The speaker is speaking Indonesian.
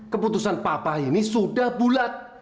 keputusan papa ini sudah bulat